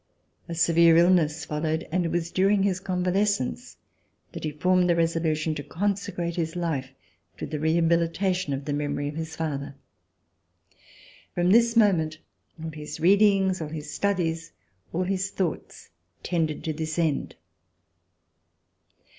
A severe illness followed, and it was during his convalescence that he formed the resolution to consecrate his life to the rehabilita tion of the memory of his father. From this moment all his readings, all his studies, all his thoughts tended to this end.